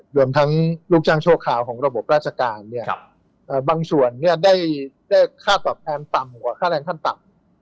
รวมทั้งลูกจ้างชั่วคราวของระบบราชการเนี่ยบางส่วนได้ค่าตอบแทนต่ำกว่าค่าแรงขั้นต่ำ